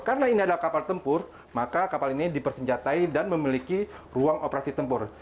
karena ini adalah kapal tempur maka kapal ini dipersenjatai dan memiliki ruang operasi tempur